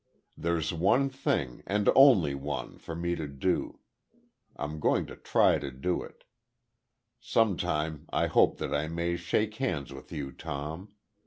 There's one thing, and only one, for me to do. I'm going to try to do it.... Sometime, I hope that I may shake hands with you, Tom.